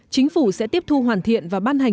chính phủ sẽ tiếp thu hoàn thiện và ban hành